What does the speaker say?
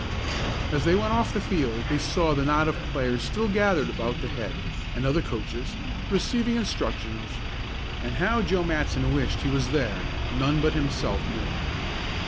As they went off the field they saw the knot of players still gathered about the head, and other coaches, receiving instructions, and how Joe Matson wished he was there none but himself knew.